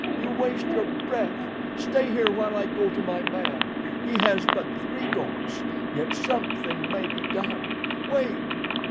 You waste your breath. Stay here while I go to my man. He has but three goats, yet something may be done. Wait!"